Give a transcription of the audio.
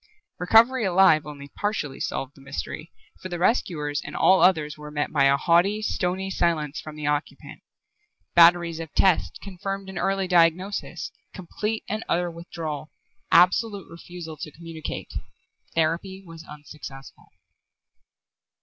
Recovery alive only partially solved the mystery, for the rescuers and all others were met by a haughty, stony silence from the occupant. Batteries of tests confirmed an early diagnosis: complete and utter withdrawal; absolute refusal to communicate. Therapy was unsuccessful.